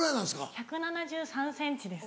１７３ｃｍです。